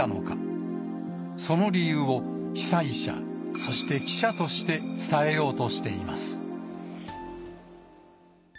その理由を被災者そして記者として伝えようとしています。